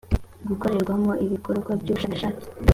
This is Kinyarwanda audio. gukorerwamo ibikorwa by ubushakashatsi